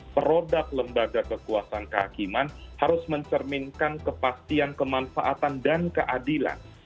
produk lembaga kekuasaan kehakiman harus mencerminkan kepastian kemanfaatan dan keadilan